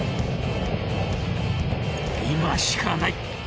今しかない！